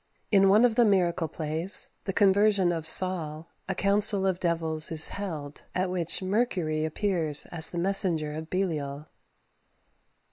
In one of the miracle plays, "The Conversion of Saul," a council of devils is held, at which Mercury appears as the messenger of Belial.